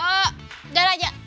eh udah aja